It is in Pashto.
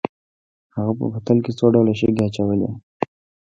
هغه په بوتل کې څو ډوله شګې اچولې.